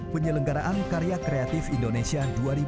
penyelenggaraan karya kreatif indonesia dua ribu dua puluh